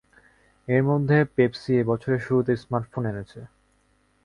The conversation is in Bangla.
এর মধ্যে পেপসি এ বছরের শুরুতে স্মার্টফোন এনেছে।